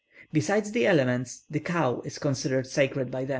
Besides the elements, the cow is considered sacred by them.